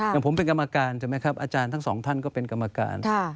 อย่างผมเป็นกรรมการอาจารย์ทั้งสองท่านก็เป็นกรรมการ